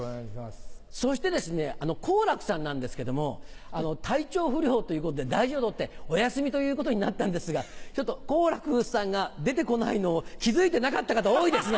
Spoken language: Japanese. そしてですね好楽さんなんですけども体調不良ということで大事を取ってお休みということになったんですが好楽さんが出て来ないのを気付いてなかった方多いです。